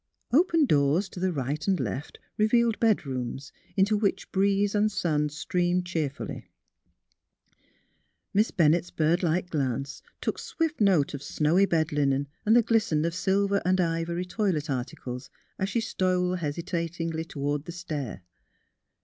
Open doors to the right and left revealed bed rooms, into which breeze and sun streamed cheer fully. Miss Bennett's bird like glance took swift note of snowy bed linen and the glisten of silver and ivory toilet articles as she stole hesitatingly toward the stair.